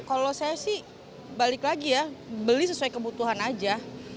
kalau saya sih balik lagi ya beli sesuai kebutuhan aja